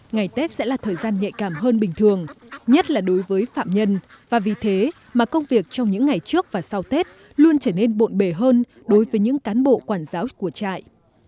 ngày tết sẽ là thời gian nhạy cảm hơn bình thường nhất là đối với phạm nhân và vì thế mà công việc trong những ngày trước và sau tết luôn trở nên bộn bề hơn đối với những cán bộ quản giáo của trại